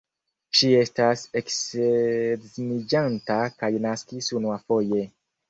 Ŝi estas eksedziniĝanta kaj naskis unuafoje.